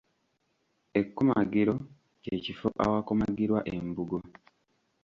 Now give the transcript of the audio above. Ekkomagiro ky’ekifo awakomagirwa olubugo.